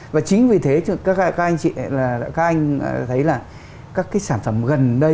và chính vì thế các anh thấy là các cái sản phẩm gần đây